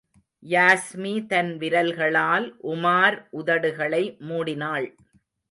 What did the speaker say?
யாஸ்மி தன் விரல்களால் உமார் உதடுகளை மூடினாள்.